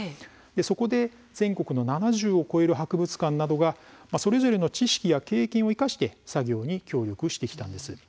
そこで、全国の７０を超える博物館などがそれぞれの知識や経験を生かして作業に協力をしてきたんです。